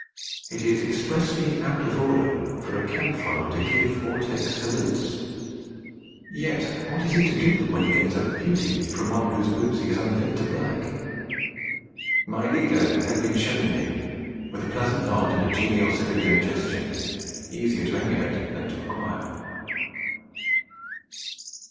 It is expressly out of order for a camp follower to give or take salutes. Yet what is he to do, when he gets a beauty from one whose boots he is unfit to black? My leader had been showing me, with a pleasant nod and a genial civilian gesture, easier to emulate than to acquire.